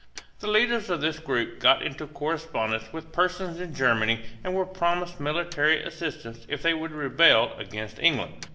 The leaders of this group got into correspondence with persons in Germany and were promised military assistance if they would rebel against England.